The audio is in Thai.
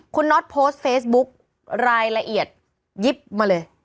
คุณน็อตโพสต์เฟซบุ๊กรายละเอียดยิบมาเลย